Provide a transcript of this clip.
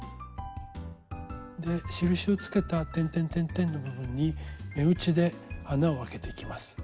で印をつけたてんてんてんてんの部分に目打ちで穴を開けていきます。